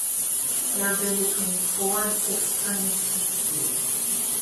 There have been between four and six tournaments each year.